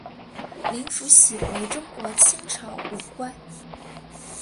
林福喜为中国清朝武官。